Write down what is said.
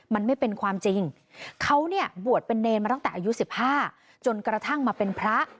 มันไม่เป็นความจริงเขาเนี่ยบวชเป็นเนรมาตั้งแต่อายุ๑๕จนกระทั่งมาเป็นพระ